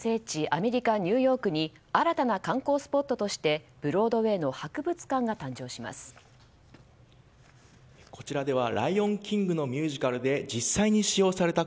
アメリカ・ニューヨークに新たな観光スポットとしてブロードウェーの博物館が誕生しました。